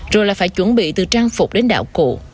rồi là phải chuẩn bị từ trang phục đến đạo cụ